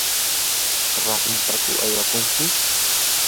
¿rasunpaku aywakunki?